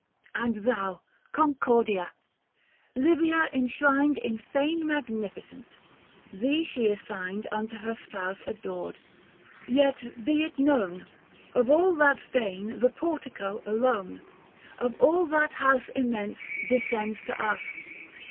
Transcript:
And thou, Concordia ! Livia enshrined In fane magnificent. Thee she assigned Unto her spouse adored : yet be it known, Of all that fane the portico alone, Of all that house immense, descends to us.